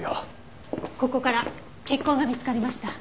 ここから血痕が見つかりました。